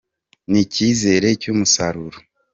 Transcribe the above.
n’icyizere mu musaruro.